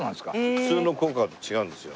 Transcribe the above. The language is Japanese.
普通の校歌と違うんですよ。